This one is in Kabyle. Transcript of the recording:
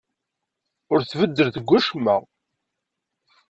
Ur tbeddel deg wacemma.